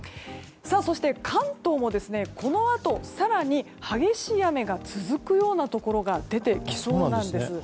そして、関東もこのあと更に激しい雨が続くようなところが出てきそうなんです。